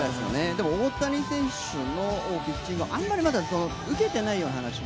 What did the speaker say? でも大谷選手のピッチング、あまり受けていないような話も？